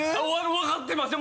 分かってますよ